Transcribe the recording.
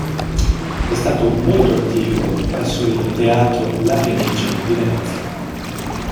È stato molto attivo presso il Teatro La Fenice di Venezia.